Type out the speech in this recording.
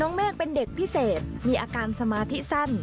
เมฆเป็นเด็กพิเศษมีอาการสมาธิสั้น